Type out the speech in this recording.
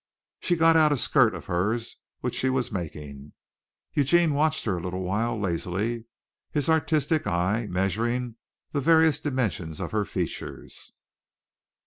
She got out a skirt of hers which she was making. Eugene watched her a little while lazily, his artistic eye measuring the various dimensions of her features.